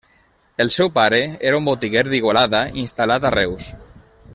El seu pare era un botiguer d'Igualada instal·lat a Reus.